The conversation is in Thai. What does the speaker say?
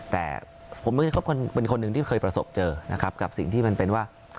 แต่ผมเป็นคนหนึ่งที่เคยประสบเจอนะครับกับสิ่งที่มันเป็นว่า